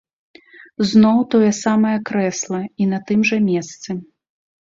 Зноў тое самае крэсла і на тым жа месцы!